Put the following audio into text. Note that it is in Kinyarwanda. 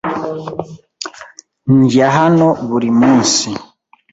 Ndya hano buri munsi.